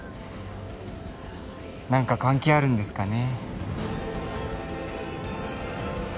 なんか関係あるんですかね？